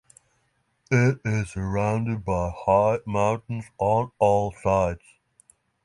It is surrounded by high mountains on all sides.